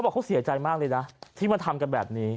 บอกเขาเสียใจมากเลยนะที่มาทำกันแบบนี้